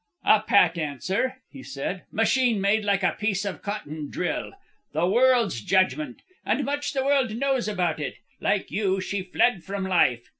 "A pat answer," he said, "machine made like a piece of cotton drill. The world's judgment! And much the world knows about it. Like you, she fled from life.